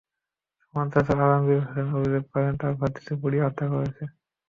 সুমার চাচা আলমগীর হোসেন অভিযোগ করেন, তাঁর ভাতিজিকে পুড়িয়ে হত্যা করা হয়েছে।